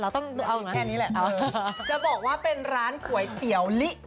ทุกขอ๘ชั้นแค่นี้แหละเอาเลย